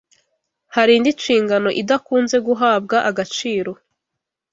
Hari indi nshingano idakunze guhabwa agaciro